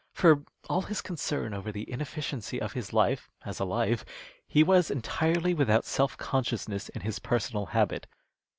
For all his concern over the inefficiency of his life, as a life, he was entirely without self consciousness in his personal habit.